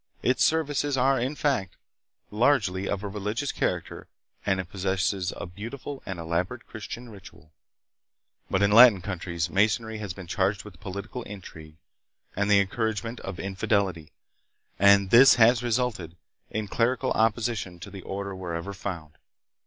Its services are, in fact, largely of a religious character and it possesses a beautiful and elaborate Christian ritual; but hi Latin countries Masonry has been charged with political intrigue and the encouragement of infidelity, and this has resulted hi clerical opposition to the order wherever found.